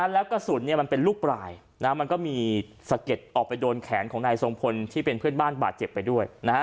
แล้วกระสุนมันเป็นลูกปลายมันก็มีสะเก็ดออกไปโดนแขนของนายทรงพลที่เป็นเพื่อนบ้านบาดเจ็บไปด้วย